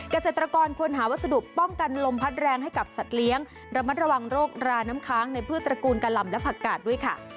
เกษตรกรควรหาวัสดุป้องกันลมพัดแรงให้กับสัตว์เลี้ยงระมัดระวังโรคราน้ำค้างในพืชตระกูลกะหล่ำและผักกาดด้วยค่ะ